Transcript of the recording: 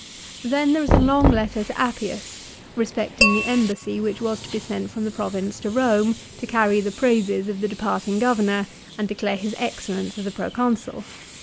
Then there is a long letter to Appius, 2 respecting the embassy which was to be sent from the Province to Eome to carry the praises of the departing governor and declare his excellence as a Proconsul